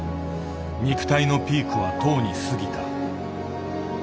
肉体のピークはとうに過ぎた。